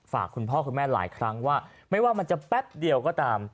คุณพ่อคุณแม่หลายครั้งว่าไม่ว่ามันจะแป๊บเดียวก็ตาม